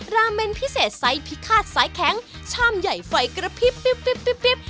ราเมนพิเศษไซส์พิฆาตสายแข็งชามใหญ่ไฟกระพริบ